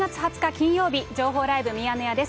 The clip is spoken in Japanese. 金曜日、情報ライブミヤネ屋です。